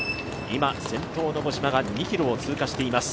今、先頭の五島が２ｋｍを通過していきます。